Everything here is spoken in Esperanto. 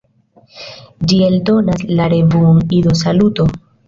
Ĝi eldonas la revuon "Ido-Saluto!